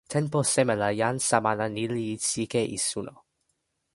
tenpo seme la jan Samana ni li sike e suno?